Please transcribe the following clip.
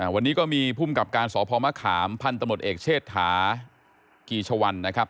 วันนี้ก็มีภูมิกับการสพมะขามพันธมตเอกเชษฐากีชวันนะครับ